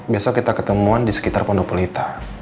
besok kita ketemuan di sekitar pondopolita